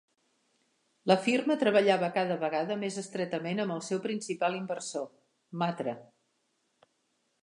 La firma treballava cada vegada més estretament amb el seu principal inversor: Matra.